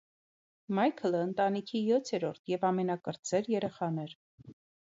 Մայքլը ընտանիքի յոթերորդ և ամենակրտսեր երեխան էր։